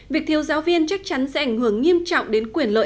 việc thiếu giáo viên chắc chắn sẽ ảnh hưởng nghiêm trọng đến quyền lợi